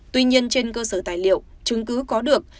tuy nhiên trên cơ sở tài liệu chứng cứ có được